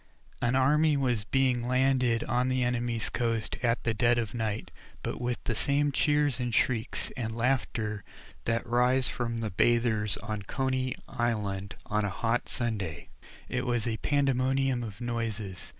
An army was being landed on an enemy's coast at the dead of night, but with the same cheers and shrieks and laughter that rise from the bathers at Coney Island on a hot Sunday. It was a pandemonium of noises.